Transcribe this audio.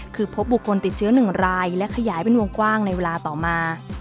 คือพบบุคคลติดเชื้อ๑รายและขยายเป็นวงกว้างในเวลาต่อมา